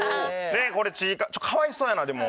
ちょっとかわいそうやなでも。